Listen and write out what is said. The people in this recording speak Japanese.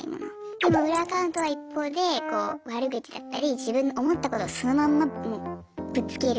でも裏アカウントは一方で悪口だったり自分の思ったことをそのまんまもうぶつける。